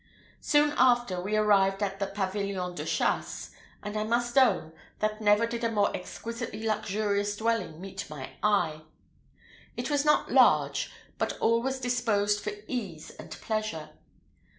Soon after, we arrived at the pavilion de chasse; and, I must own, that never did a more exquisitely luxurious dwelling meet my eye. It was not large, but all was disposed for ease and pleasure.